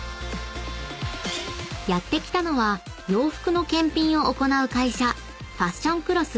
［やって来たのは洋服の検品を行う会社］